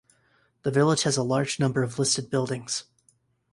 The village has a large number of listed buildings.